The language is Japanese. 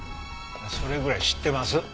それぐらい知ってます。